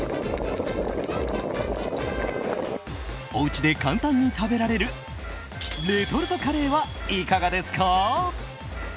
おうちで簡単に食べられるレトルトカレーはいかがですか？